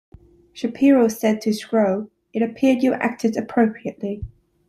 Shapiro said to Sgro, It appears you acted appropriately.